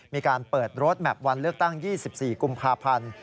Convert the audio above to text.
มีการเปิดรถแมพวันเลือกตั้ง๒๔กุมภาพันธ์